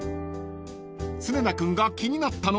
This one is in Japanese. ［常田君が気になったのは？］